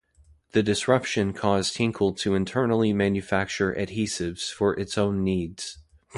The disruption caused Henkel to internally manufacture adhesives for its own needs.